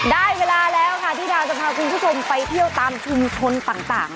ได้เวลาแล้วค่ะที่ดาวจะพาคุณผู้ชมไปเที่ยวตามชุมชนต่าง